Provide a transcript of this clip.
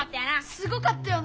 すごかったよな